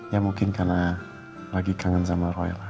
ya mungkin karena lagi kangen sama roy lah